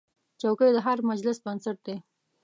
چوکۍ د هر مجلس بنسټ دی.